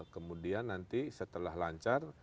kemudian nanti setelah lancar